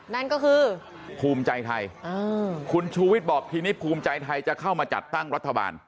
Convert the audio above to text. นั่นก็คือภูมิใจไทยคุณชูวิทย์บอกทีนี้ภูมิใจไทยจะเข้ามาจัดตั้งรัฐบาล